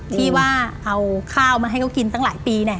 ที่ว่าเอาข้าวมาให้เขากินตั้งหลายปีเนี่ย